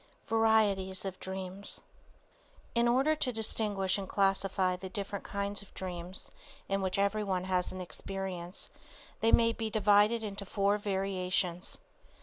VARIETIES OF DREAMS In order to distinguish and classify the different kinds of dreams in which everyone has an experience they may be divided into four variations.